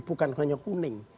bukan hanya kuning